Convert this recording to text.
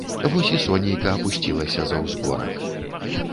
Вось і сонейка апусцілася за ўзгорак.